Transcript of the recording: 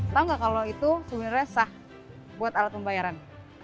tahu nggak kalau itu sebenarnya sah buat alat pembayaran